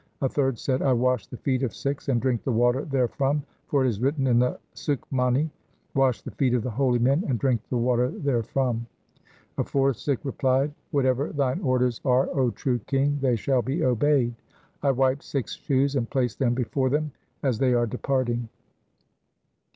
A third said, ' I wash the feet of Sikhs and drink the water there from, for it is written in the Sukhmani :— Wash the feet of the holy men and drink the water there from.' A fourth Sikh replied, ' Whatever thine orders are, O true king, they shall be obeyed. I wipe Sikhs' shoes, and place them before them as they are departing.'